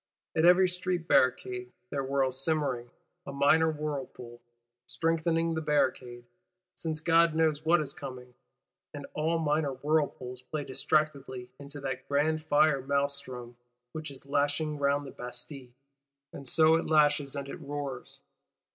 At every street barricade, there whirls simmering, a minor whirlpool,—strengthening the barricade, since God knows what is coming; and all minor whirlpools play distractedly into that grand Fire Mahlstrom which is lashing round the Bastille. And so it lashes and it roars.